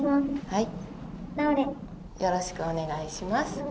はい。